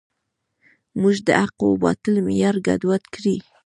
موږ د حق و باطل معیار ګډوډ کړی.